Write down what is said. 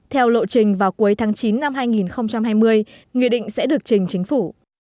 theo lộ trình vào cuối tháng chín năm hai nghìn hai mươi nghị định sẽ được trình chính phủ